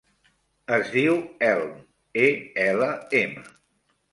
Es diu Elm: e, ela, ema.